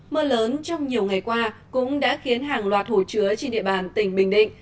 mưa lớn trong nhiều ngày qua cũng đã khiến hàng loạt hồ chứa trên địa bàn tỉnh bình định